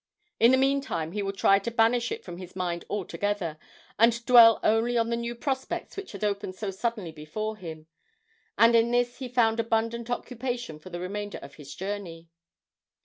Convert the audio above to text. In the meantime he would try to banish it from his mind altogether, and dwell only on the new prospects which had opened so suddenly before him; and in this he found abundant occupation for the remainder of his journey.